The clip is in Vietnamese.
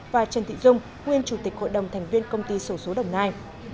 và trần thị dung nguyên chủ tịch hội đồng thành viên công ty sổ số đồng nai